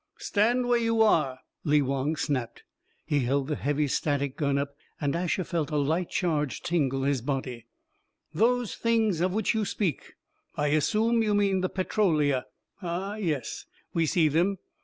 "Stand where you are!" Lee Wong snapped. He held the heavy static gun up and Asher felt a light charge tingle his body. "Those Things of which you speak I assume you mean the Petrolia. Ah, yes, we see them.